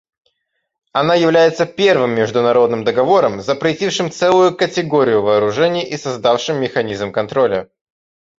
Она является первым международным договором, запретившим целую категорию вооружений и создавшим механизм контроля.